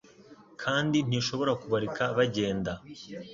kandi ntishobora kubareka bagenda